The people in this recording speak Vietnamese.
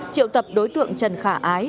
triệu tập đối tượng trần khả ái